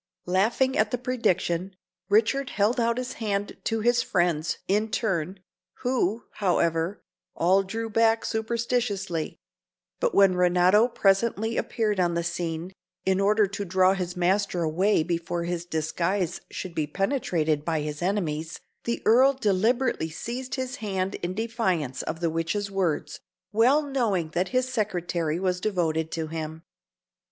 Laughing at the prediction, Richard held out his hand to his friends in turn, who, however, all drew back superstitiously; but when Renato presently appeared on the scene, in order to draw his master away before his disguise should be penetrated by his enemies, the Earl deliberately seized his hand in defiance of the witch's words, well knowing that his secretary was devoted to him.